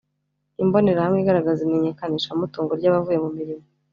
Imbonerahamwe igaragaza imenyekanishamutungo ry’abavuye mu mirimo